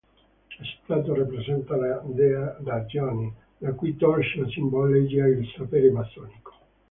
La statua rappresenta la dea Ragione, la cui torcia simboleggia il sapere massonico.